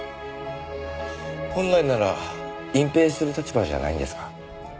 本来なら隠蔽する立場じゃないんですか？